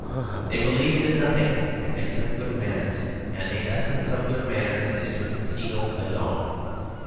They believed in nothing except good manners; and the essence of good manners is to conceal a yawn.